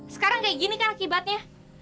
sekarang kayak gini kan akibatnya